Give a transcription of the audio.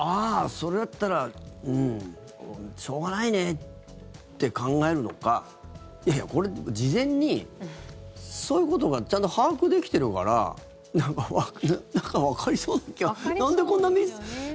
それだったらしょうがないねって考えるのかいやいや、事前にそういうことがちゃんと把握できてるからなんかわかりそうな気がなんでこんなミス。